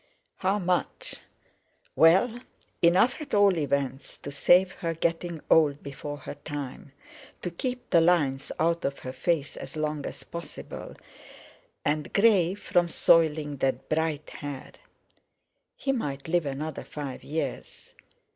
"How much?" Well! enough at all events to save her getting old before her time, to keep the lines out of her face as long as possible, and grey from soiling that bright hair. He might live another five years.